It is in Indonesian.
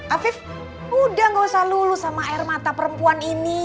afif udah gak usah lulus sama air mata perempuan ini